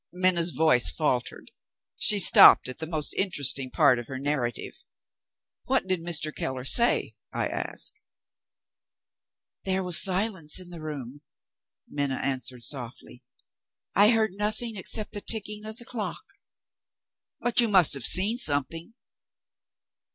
Minna's voice faltered; she stopped at the most interesting part of her narrative. "What did Mr. Keller say?" I asked. "There was silence in the room," Minna answered softly. "I heard nothing except the ticking of the clock." "But you must have seen something?"